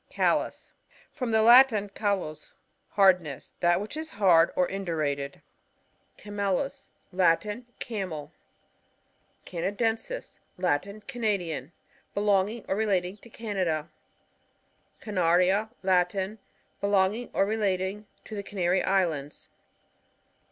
Callous. — From the Latin, callus^ hardness. That which is hard, or indurated. Camklus. — Latin. Camel. Canadensis. — Latin. Canadian. Be. longing or relating to Canada. Canaria. — Latin. Belonging or re ' lating to the Canary Islands.